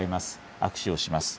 握手をします。